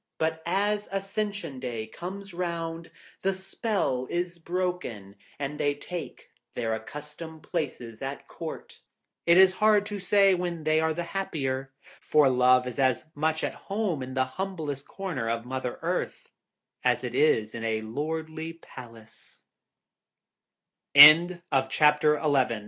But as Ascension day comes round, the spell is broken, and they take their accustomed places at the Court. It is hard to say when they are the happier; for love is as much at home in the humblest corner of Mother Earth as it is